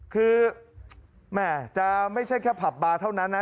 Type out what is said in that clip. คือแม่จะไม่ใช่แค่ผับบาร์เท่านั้นนะ